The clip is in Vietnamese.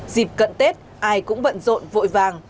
dịp cận tết ai cũng bận rộn vội vàng